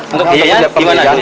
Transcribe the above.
untuk biayanya gimana